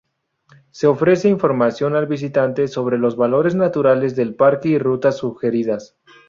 Se ofrece información al visitante sobre los valores naturales del Parque y rutas sugeridas.